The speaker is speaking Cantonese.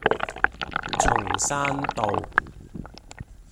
松山道